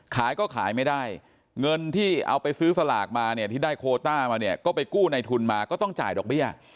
ขายก็ขายไม่ได้เงินที่เอาไปซื้อสลากมาเนี่ยที่ได้โคต้ามาเนี่ยก็ไปกู้ในทุนมาก็ต้องจ่ายดอกเบี้ย